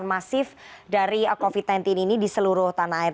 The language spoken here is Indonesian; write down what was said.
yang masif dari covid sembilan belas ini di seluruh tanah air